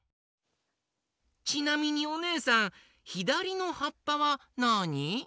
ちなみにおねえさんひだりのはっぱはなに？